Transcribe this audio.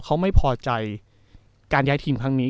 เขาไม่พอใจการย้ายทีมครั้งนี้